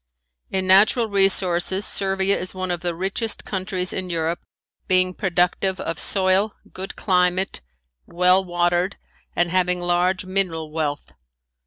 In natural resources Servia is one of the richest countries in Europe, being productive of soil, good climate, well watered and having large mineral wealth.